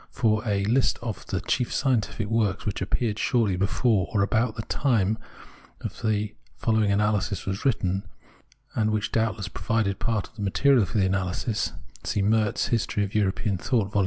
For a list of the chief scientific works which appeared shortly before or about the time the following analysis was written, and which doubtless provided part of the material for the analysis, see Merz, History of European Thought, Vol.